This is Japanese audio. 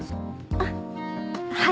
あっはい。